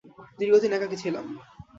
দীর্ঘদিন একাকী ছিলাম।